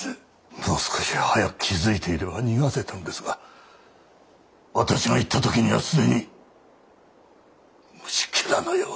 もう少し早く気付いていれば逃がせたのですが私が行った時には既に虫けらのように利助を！